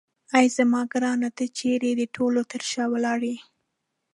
اې زما ګرانه ته چیرې د ټولو تر شا ولاړ یې.